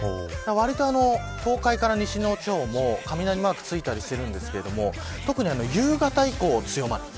わりと東海から西の地方も雷マークがついていたりしますが特に夕方以降が強まる。